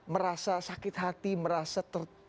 merasa sakit hati merasa